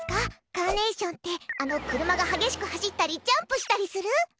カーネーションってあの、車が激しく走ったりジャンプしたりする？